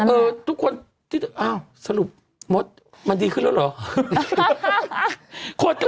ทุกคนที่อ้าวสรุปมดมันดีขึ้นแล้วเหรอ